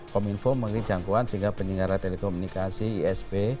kominfo mengiris jangkauan sehingga penyelidikan telekomunikasi isp